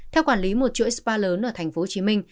theo quản lý một chuỗi spa lớn ở tp hcm